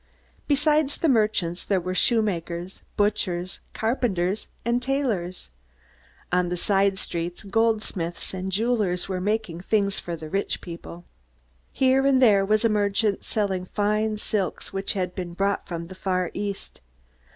Besides the merchants there were shoemakers, butchers, carpenters, tailors. On the side streets gold smiths and jewelers were making things for the rich people. Here and there was a merchant selling fine silks which had been brought from the Far East.